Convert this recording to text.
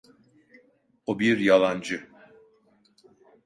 O bir yalancı.